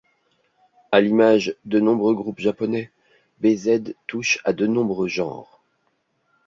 À l'image de nombreux groupes japonais, B'z touche à de nombreux genres.